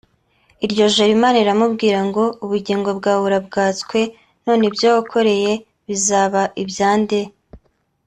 Iryo joro Imana iramubwira ngo ubugingo bwawe urabwatswe none ibyo wakoreye bizaba ibya nde